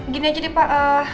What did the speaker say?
gini aja deh pak